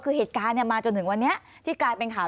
คือเหตุการณ์มาจนถึงวันนี้ที่กลายเป็นข่าว